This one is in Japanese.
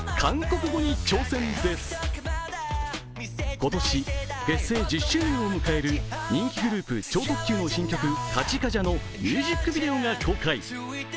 今年結成１０周年を迎える人気グループ超特急の新曲「カチカジャ」のミュージックビデオが公開。